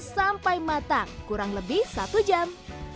sampai matang kurang lebih satu jam